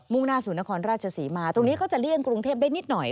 ่งหน้าสู่นครราชศรีมาตรงนี้เขาจะเลี่ยงกรุงเทพได้นิดหน่อย